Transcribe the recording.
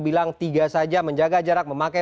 bilang tiga saja menjaga jarak memakai